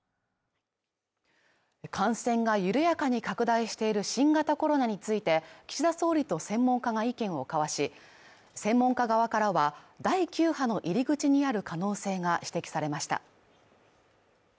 感染が緩やかに拡大している新型コロナについて岸田総理と専門家が意見を交わし、専門家側からは、第９波の入口にある可能性が指摘されました。